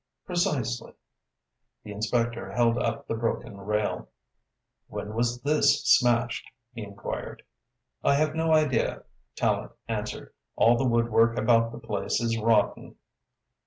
"Precisely!" The inspector held up the broken rail. "When was this smashed?" he enquired. "I have no idea," Tallente answered. "All the woodwork about the place is rotten."